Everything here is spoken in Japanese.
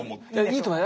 いいと思う。